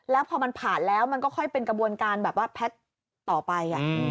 แล้วพอมันผ่านแล้วมันก็ค่อยเป็นกระบวนการแบบว่าแพทย์ต่อไป